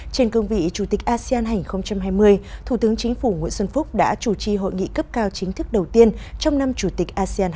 trên cương vị chủ tịch asean hai nghìn hai mươi thủ tướng chính phủ nguyễn xuân phúc đã chủ trì hội nghị cấp cao chính thức đầu tiên trong năm chủ tịch asean hai nghìn hai